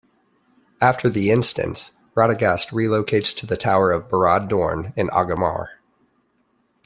After the instance, Radagast relocates to the tower of Barad Dhorn in Agamaur.